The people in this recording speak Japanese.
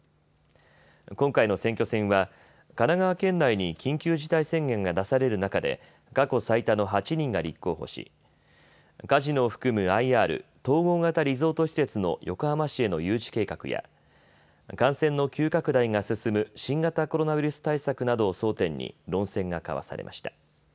今回の選挙戦は神奈川県内に緊急事態宣言が出される中で過去最多の８人が立候補しカジノを含むＩＲ・統合型リゾート施設の横浜市への誘致計画や感染の急拡大が進む新型コロナウイルス対策などを争点に論戦が交わされました。